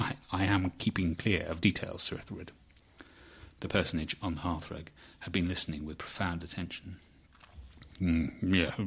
I am keeping clear of details, Sir Ethelred." The Personage on the hearthrug had been listening with profound attention.